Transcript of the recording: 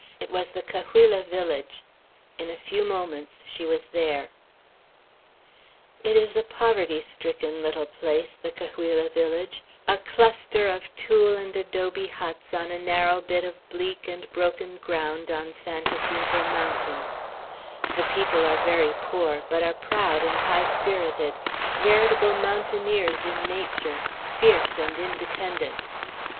It was the Cahuilla village. In a few moments she was there. It is a poverty stricken little place, the Cahuilla village, a cluster of tule and adobe huts, on a narrow bit of bleak and broken ground, on San Jacinto Mountain; the people are very poor, but are proud and high spirited, veritable mountaineers in nature, fierce and independent.